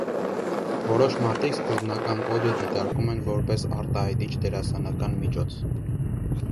Որոշ մարդիկ սկզբնական կոդը դիտարկում են որպես արտահայտիչ դերասանական միջոց։